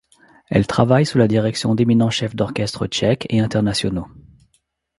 Elle travaille sous la direction d'éminents chefs d'orchestre tchèques et internationaux.